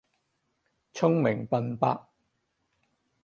聰明笨伯